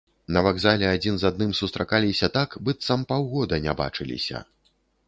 На вакзале адзін з адным сустракаліся так, быццам паўгода не бачыліся.